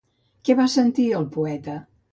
Què va sentir el poeta?